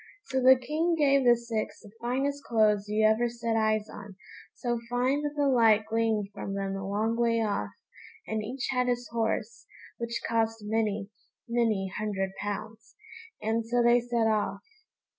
So the King gave the six the finest clothes you ever set eyes on, so fine that the light gleamed from them a long way off, and each had his horse, which cost many, many hundred pounds, and so they set off.